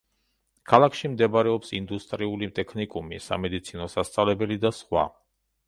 ქალაქში მდებარეობს ინდუსტრიული ტექნიკუმი, სამედიცინო სასწავლებელი და სხვა.